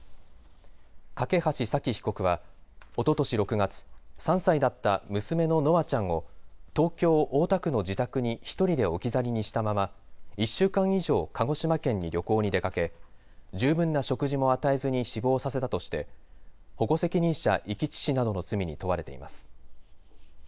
梯沙希被告はおととし６月、３歳だった娘の稀華ちゃんを東京大田区の自宅に一人で置き去りにしたまま１週間以上、鹿児島県に旅行に出かけ十分な食事も与えずに死亡させたとして保護責任者遺棄致死などの罪に問われています。